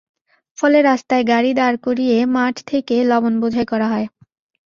ফলে রাস্তায় গাড়ি দাঁড় করিয়ে মাঠ থেকে লবণ বোঝাই করা হয়।